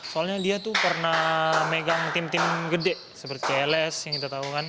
soalnya dia tuh pernah megang tim tim gede seperti ls yang kita tahu kan